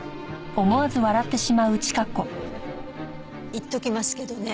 言っときますけどね